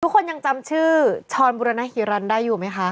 ทุกคนยังจำชื่อช้อนบุรณฮิรันดิได้อยู่ไหมคะ